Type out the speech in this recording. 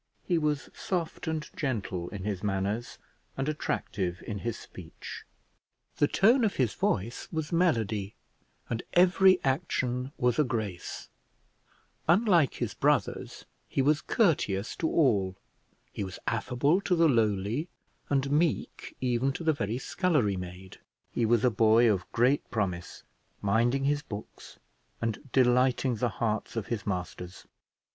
He was soft and gentle in his manners, and attractive in his speech; the tone of his voice was melody, and every action was a grace; unlike his brothers, he was courteous to all, he was affable to the lowly, and meek even to the very scullery maid. He was a boy of great promise, minding his books and delighting the hearts of his masters.